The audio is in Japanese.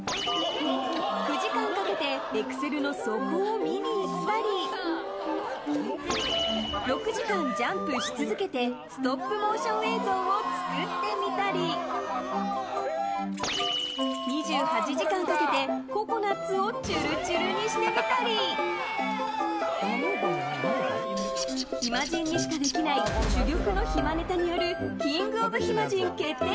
９時間かけてエクセルの底を見に行ったり６時間ジャンプし続けてストップモーション映像を作ってみたり２８時間かけてココナツをちゅるちゅるにしてみたり暇人にしかできない珠玉の暇ネタによるキングオブ暇人決定